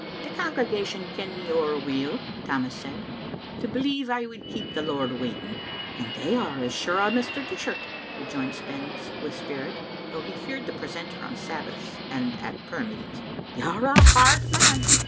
" The congregation ken me ower weel," Tammas said, " to believe I would keep the Lord waiting. " "And they are as sure o' Mr. Dishart," rejoined Spens, with spirit, though he feared the precentor on Sabbaths and at prayer meetings. "You're a hard man."